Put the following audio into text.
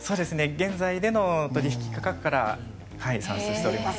現在での取引価格からはい算出しております。